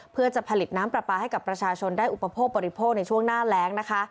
เพื่อจะผลิตน้ำปลาปลาให้กับประชาชนได้อุปโภคบริโภคในช่วงหน้าแรงนะคะ